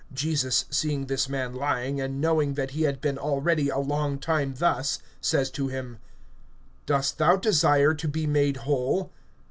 (6)Jesus seeing this man lying, and knowing that he had been already a long time thus, says to him: Dost thou desire to be made whole?